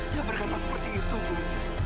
dia berkata seperti itu bu